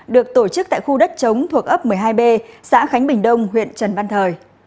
được tổ chức tại khu đất chống thuộc ấp một mươi hai b xã khánh bình đông huyện trần văn thời